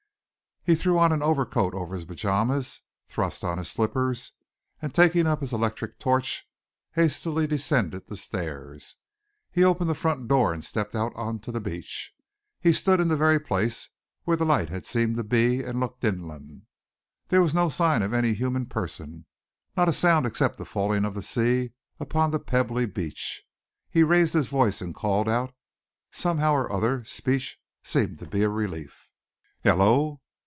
He threw on an overcoat over his pyjamas, thrust on his slippers, and taking up his own electric torch, hastily descended the stairs. He opened the front door and stepped out on to the beach. He stood in the very place where the light had seemed to be, and looked inland. There was no sign of any human person, not a sound except the falling of the sea upon the pebbly beach. He raised his voice and called out. Somehow or other, speech seemed to be a relief. "Hullo!"